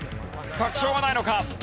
確証がないのか？